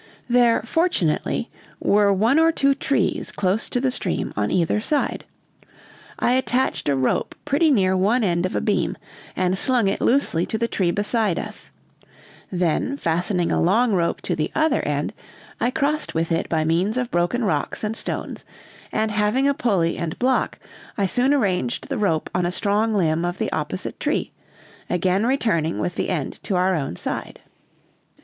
There fortunately were one or two trees close to the stream on either side. I attached a rope pretty near one end of a beam, and slung it loosely to the tree beside us; then, fastening a long rope to the other end, I crossed with it by means of broken rocks and stones, and having a pulley and block, I soon arranged the rope on a strong limb of the opposite tree, again returning with the end to our own side.